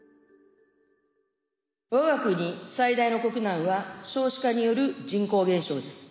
我が国最大の国難は少子化による人口減少です。